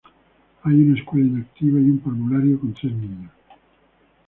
Hay una escuela inactiva y un parvulario con tres niños.